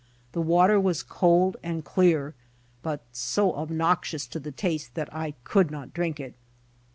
The water was cold and clear, but so obnoxious to the taste that I could not drink it.